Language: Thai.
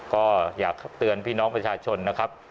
ก็อยากเตือนพี่น้องประชาชนนะครับ